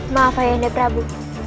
maaf ayah handa prabu